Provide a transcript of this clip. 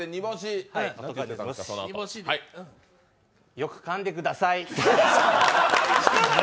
よくかんでください。